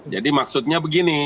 jadi maksudnya begini